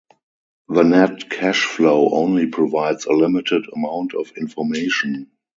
The net cash flow only provides a limited amount of information.